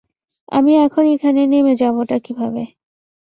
আমি এখন এখানে নেমে যাবোটা কীভাবে?